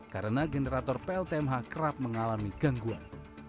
karena generator pltmh kerap mengalami gangguan